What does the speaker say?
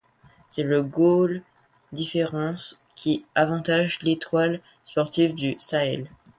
C’est le goal-différence qui avantage l’Étoile sportive du Sahel.